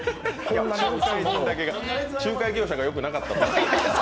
仲介業者がよくなかったと。